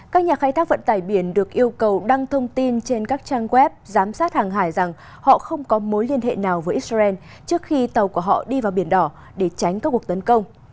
các nhà khai thác vận tải biển được yêu cầu đăng thông tin trên các trang web giám sát hàng hải rằng họ không có mối liên hệ nào với israel trước khi tàu của họ đi vào biển đỏ để tránh các cuộc tấn công